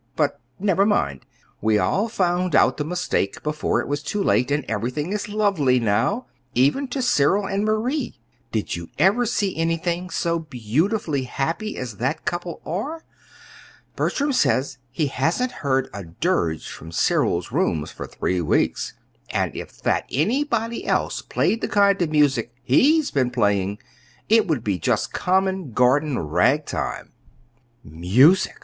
But never mind. We all found out the mistake before it was too late, and everything is lovely now, even to Cyril and Marie. Did you ever see anything so beatifically happy as that couple are? Bertram says he hasn't heard a dirge from Cyril's rooms for three weeks; and that if anybody else played the kind of music he's been playing, it would be just common garden ragtime!" "Music!